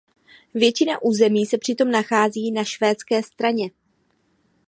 Většina území se přitom nachází na švédské straně.